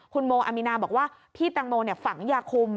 คุณโมอามีนาบอกว่าพี่ตังโมฝังยาคุม